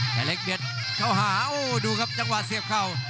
แต่เล็กเบียดเข้าหาโอ้ดูครับจังหวะเสียบเข่า